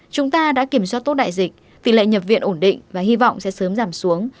chúng ta đã kiểm soát tốt đại dịch tỷ lệ nhập viện ổn định và hy vọng sẽ sớm giảm xuống